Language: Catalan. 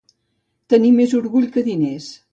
Tenir més orgull que diners.